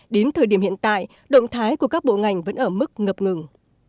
đến thời điểm hiện tại động thái của các bộ ngành vẫn ở mức ngập ngừng